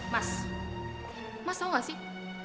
mas mas tahu nggak sih